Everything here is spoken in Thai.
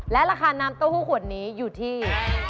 และราคาน้ำเต้าหู้ขวดนี้อยู่ที่